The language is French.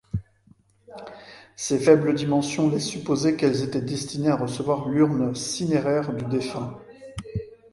Ses faibles dimensions laissent supposer qu'elle était destinée à recevoir l'urne cinéraire du défunt.